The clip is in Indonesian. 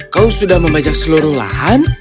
kau sudah membajak seluruh lahan